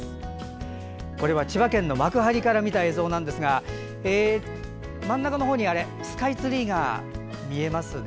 千葉県の幕張から見た映像ですが真ん中の方にスカイツリーが見えますね。